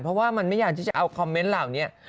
เพราะว่ามันไม่อยากที่จะเอาคอมเมนต์เหล่านี้